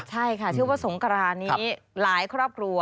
ใช่ค่ะชื่อว่าสงกรานนี้หลายครอบครัว